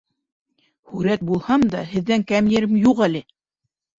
Һүрәт булһам да, һеҙҙән кәм ерем юҡ әле!